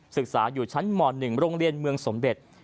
ศึกษาอยู่ชั้นม๑โรงเรียนเมืองสมเด็จ